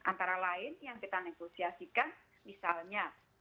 antara lain yang kita negosiasikan misalnya